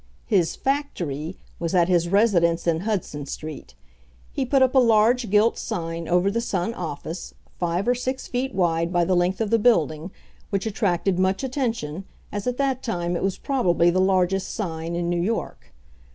His "factory" was at his residence in Hudson street. He put up a large gilt sign over the Sun office, five or six feet wide by the length of the building, which attracted much attention, as at that time it was probably the largest sign in New York.